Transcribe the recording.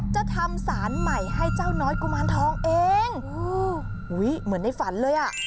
จะทำสารใหม่ให้เจ้าน้อยกุมารทองเองอุ้ยเหมือนในฝันเลยอ่ะ